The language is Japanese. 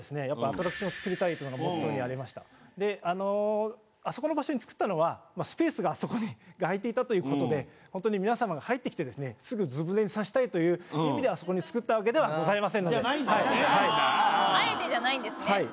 アトラクションを造りたいのがモットーにありましたであそこの場所に造ったのはスペースがあそこに空いていたということでホントに皆様が入ってきてですねすぐすぶぬれにさせたいという意味であそこに造ったわけではございませんのでないんですねあえてじゃないんですね